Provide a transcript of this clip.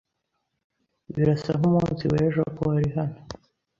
Birasa nkumunsi wejo ko wari hano.